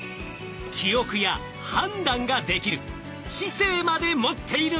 記憶や判断ができる知性まで持っているんです。